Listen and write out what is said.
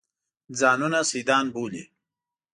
ځانونه سیدان بولي.